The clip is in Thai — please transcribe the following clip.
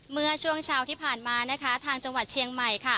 เมื่อช่วงเช้าที่ผ่านมานะคะทางจังหวัดเชียงใหม่